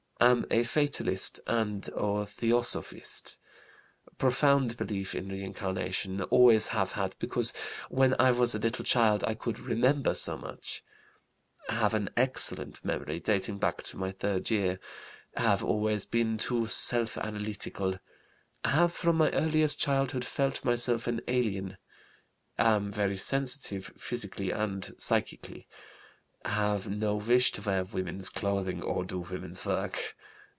Am a fatalist and a theosophist. Profound belief in reincarnation, always have had, because when I was a little child I could 'remember' so much. Have an excellent memory, dating back to my third year. Have always been too self analytical. Have from my earliest childhood felt myself an alien. Am very sensitive, physically and psychically. Have no wish to wear woman's clothing or do woman's work.